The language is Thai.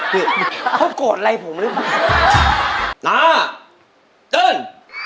เขาโกรธไล่ผมหรือเปล่าน้าเติ้ล